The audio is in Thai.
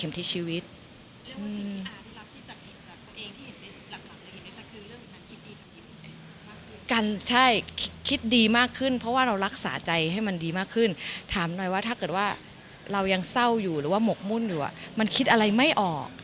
เปลี่ยนเปลี่ยนเลยเพราะว่าอ้าอ่านตลอดแล้วก็อ้าดูคลิปที่ครูให้ดูฟรีตลอด